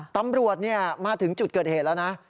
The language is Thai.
ตำรวจมาถึงจุดเกิดเหตุแล้วนะ